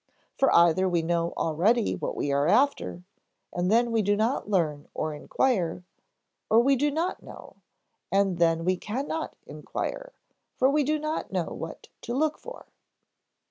For either we know already what we are after, and then we do not learn or inquire; or we do not know, and then we cannot inquire, for we do not know what to look for."